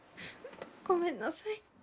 ごめんなさい。